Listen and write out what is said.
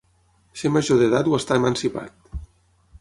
Ser major d'edat o estar emancipat.